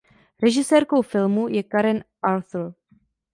Režisérkou filmu je Karen Arthur.